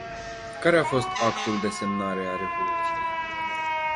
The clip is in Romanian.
Care a fost actul de semnare a revoluției?